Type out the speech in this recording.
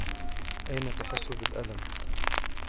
أين تحس بالألم ؟